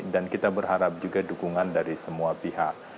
dan kita berharap juga dukungan dari semua pihak